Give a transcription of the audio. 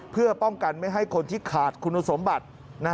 เพื่อป้องกันไม่ให้คนที่ขาดคุณสมบัติ